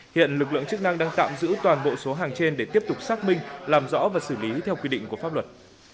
hiện lực lượng chức năng đang tạm giữ toàn bộ số hàng trên để tiếp tục xác minh làm rõ và xử lý theo quy định của pháp luật